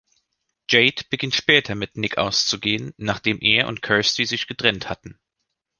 Jade beginnt später mit Nick auszugehen, nachdem er und Kirsty sich getrennt hatten.